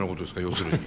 要するに。